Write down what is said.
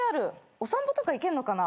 お散歩とか行けんのかな。